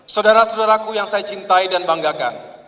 saudara saudaraku yang saya cintai dan banggakan